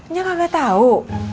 nya kagak tau